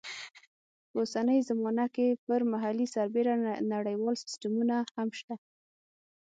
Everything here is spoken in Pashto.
په اوسنۍ زمانه کې پر محلي سربېره نړیوال سیسټمونه هم شته.